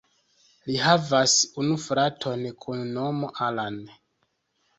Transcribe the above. Li havas unu fraton kun nomo Alan.